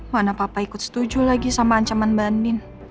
mana papa ikut setuju lagi sama ancaman mbak andin